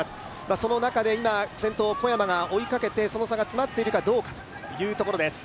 その中で今、先頭・小山が追いかけて、その差が詰まっているかどうかというところです。